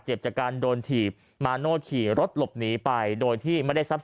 จากการโดนถีบมาโนธขี่รถหลบหนีไปโดยที่ไม่ได้ทรัพย